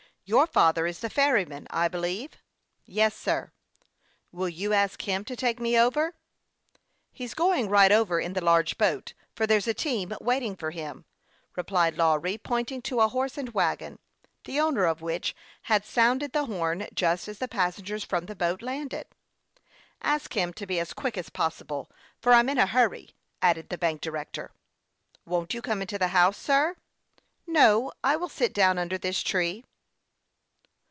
Your father is the ferryman, I believe." "Yes, sir." " Will you ask him to take me over ?"" He's going right over in the large boat, for there's a team waiting for him," replied Lawry, pointing to a horse and wagon, the owner of which had sounded the horn just as the passengers from the boat landed. " Ask him to be as quick as possible, for I'm in a hurry," added the bank director. " Won't you come into the house, sir ?"" No, I will sit down under this tree."